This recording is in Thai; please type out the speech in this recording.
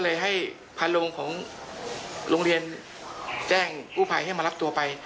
เลยให้พาลงของโรงเรียนแจ้งกู้ภัยให้มารับตัวไป